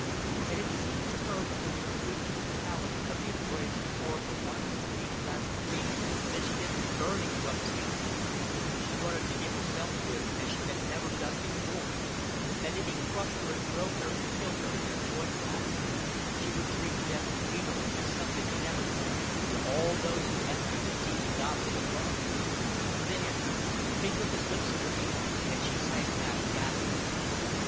And it seemed to her that the strength and brutality of the embrace formed the one supreme gratification that she had been burning to obtain; she wanted to give herself to him as she had never done before, and if he crushed her and broke her and killed her in their joint rapture, she would drink death greedily as something inevitable to all those who empty the deep goblet of love. "There!" He took his lips away, and she sank back gasping.